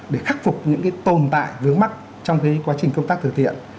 để khắc phục những cái tồn tại vướng mắt trong cái quá trình công tác thừa thiện